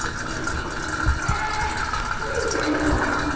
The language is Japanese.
ああ着いたの。